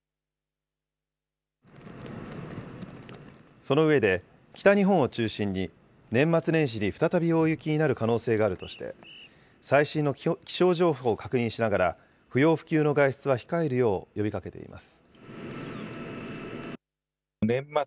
その上で、北日本を中心に年末年始に再び大雪になる可能性があるとして、最新の気象情報を確認しながら、不要不急の外出は控えるよう呼びかけています。